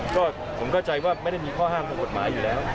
ก็ผมเข้าใจว่าไม่ได้มีข้อห้ามทางกฎหมายอยู่แล้ว